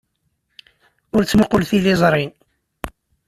Ur ttmuqqul tiliẓri.